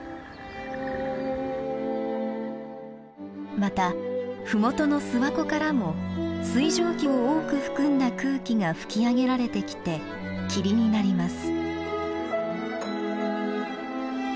またふもとの諏訪湖からも水蒸気を多く含んだ空気が吹き上げられてきて霧になります。